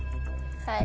はい。